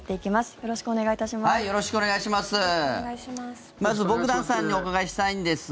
よろしくお願いします。